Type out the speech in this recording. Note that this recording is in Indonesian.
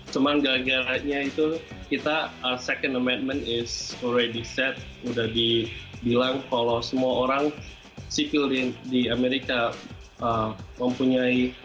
cuman gara gara itu kita second amendment is already set udah dibilang kalau semua orang sipil di amerika mempunyai